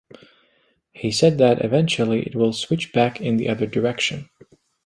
He said that, eventually, it will switch back in the other direction.